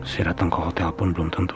saya datang ke hotel pun belum tentu